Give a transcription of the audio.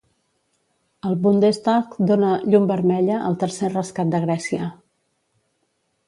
El Bundestag dona llum vermella al tercer rescat de Grècia.